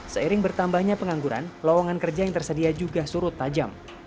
seiring bertambahnya pengangguran lowongan kerja yang tersedia juga surut tajam